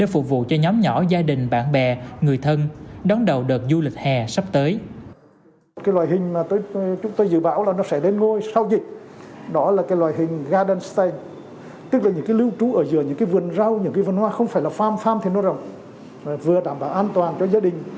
phục vụ cho nhóm nhỏ gia đình bạn bè người thân đón đầu đợt du lịch hè sắp tới